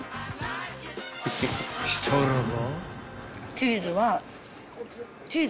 ［したらば］